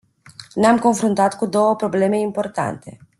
Ne-am confruntat cu două probleme importante.